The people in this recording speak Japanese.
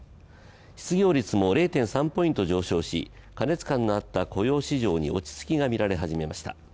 失業率も０．３ポイント上昇し過熱感のあった雇用市場に落ち着きが見られ始めました。